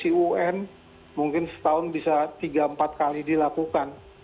dari un mungkin setahun bisa tiga empat kali dilakukan